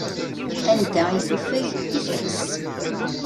Anda i tufeg i ters.